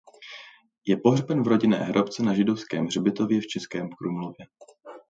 Je pohřben v rodinné hrobce na židovském hřbitově v Českém Krumlově.